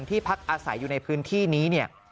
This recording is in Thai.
พักอาศัยอยู่ในพื้นที่นี้เนี่ย